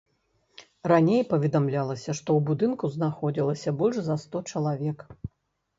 Раней паведамлялася, што ў будынку знаходзілася больш за сто чалавек.